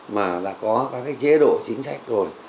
mà đã có các chế độ chính sách rồi